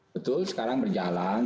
betul sekarang berjalan